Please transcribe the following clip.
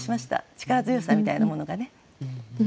力強さみたいなものがね。